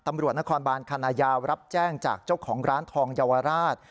ตำรวจนครบานคณะยาวรับแจ้งจากเจ้าของร้านทองเยาวราช